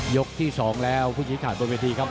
ยกที่๒แล้วผู้ชิงขาดบนพยาบาทครับ